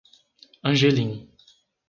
Angelim